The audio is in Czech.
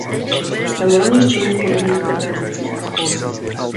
Byl rovněž činný v hudebních organizacích a spolcích.